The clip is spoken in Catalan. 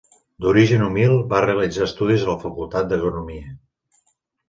D'origen humil, va realitzar estudis a la Facultat d'Agronomia.